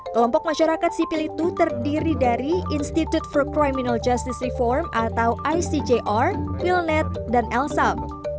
kelompok masyarakat sipil itu terdiri dari institute for criminal justice reform atau icgr wilnet dan elsam